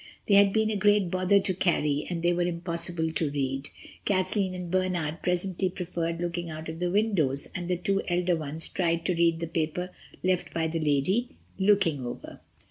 They had been a great bother to carry, and they were impossible to read. Kathleen and Bernard presently preferred looking out of the windows, and the two elder ones tried to read the paper left by the lady, "looking over."